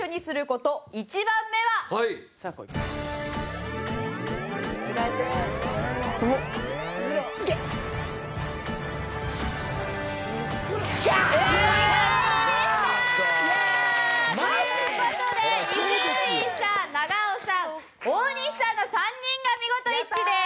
という事で伊集院さん長尾さん大西さんの３人が見事一致です。